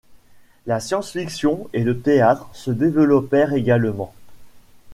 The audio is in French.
La science fiction et le théâtre se développèrent également.